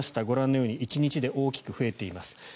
ご覧のように１日で大きく増えています。